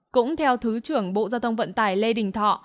cũng theo thứ trưởng bộ giao thông vận tải lê đình thọ